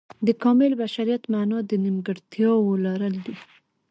د کامل بشریت معنا د نیمګړتیاو لرل دي.